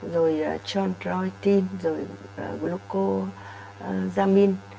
rồi chôn trói tin rồi glucosamine